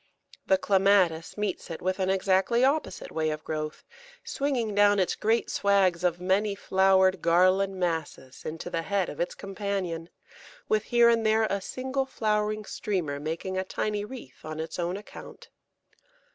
The Clematis meets it with an exactly opposite way of growth, swinging down its great swags of many flowered garland masses into the head of its companion, with here and there a single flowering streamer making a tiny wreath on its own account.